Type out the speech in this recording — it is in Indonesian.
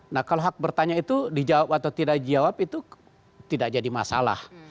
nah kalau hak bertanya itu dijawab atau tidak dijawab itu tidak jadi masalah